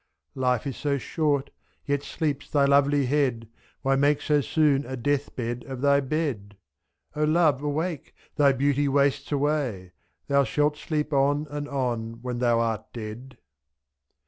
30 Life is so shorty yet sleeps thy lovely head; Why make so soon a death bed of thy bed? ^^'0 love, awake! thy beauty wastes away — Thou shalt sleep on and on when thou art dead.